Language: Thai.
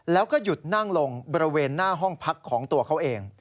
แล้วก็หยุดนั่งลงบริเวณหน้าห้องพักของตัวเขาเอง